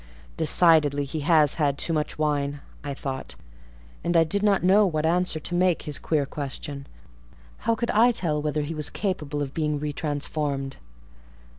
"Decidedly he has had too much wine," I thought; and I did not know what answer to make to his queer question: how could I tell whether he was capable of being re transformed?